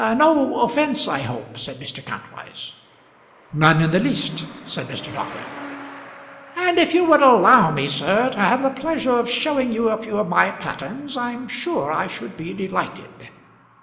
"No offence, I hope," said Mr. Kantwise. "None in the least," said Mr. Dockwrath. "And if you would allow me, sir, to have the pleasure of showing you a few of my patterns, I'm sure I should be delighted."